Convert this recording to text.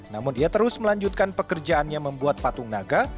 namun ia terus melanjutkan pekerjaannya membuat patung naga